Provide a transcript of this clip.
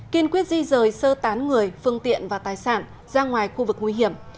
kiên quyết di rời sơ tán người phương tiện và tài sản ra ngoài khu vực nguy hiểm